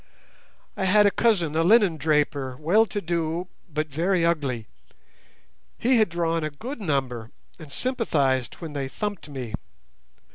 I had a cousin a linen draper, well to do, but very ugly. He had drawn a good number, and sympathized when they thumped me.